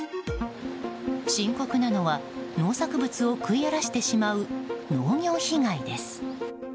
深刻なのは、農作物を食い荒らしてしまう農業被害です。